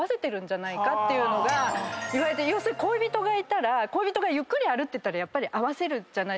要するに恋人がいたら恋人がゆっくり歩いてたらやっぱり合わせるじゃない。